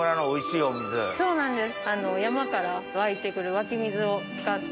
そうなんです。